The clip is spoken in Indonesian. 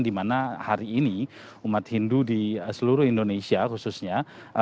di mana hari ini umat hindu di seluruh indonesia khususnya